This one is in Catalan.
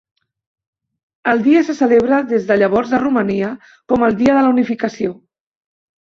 El dia se celebra des de llavors a Romania com el dia de la unificació.